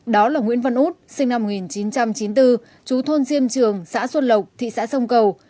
đó là nguyễn văn út sinh năm một nghìn chín trăm chín mươi bốn chú thôn diêm trường xã xuân lộc thị xã sông cầu